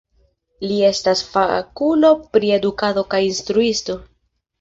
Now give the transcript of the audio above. Li estas fakulo pri edukado kaj instruisto.